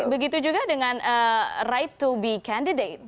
begitu juga dengan right to be candidate